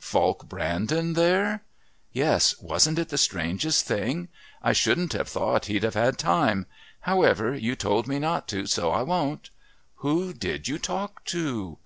"Falk Brandon there?" "Yes, wasn't it the strangest thing. I shouldn't have thought he'd have had time However, you told me not to, so I won't " "Who did you talk to?"